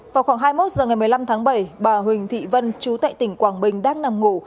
vào khoảng hai mươi một h ngày một mươi năm tháng bảy bà huỳnh thị vân chú tại tỉnh quảng bình đang nằm ngủ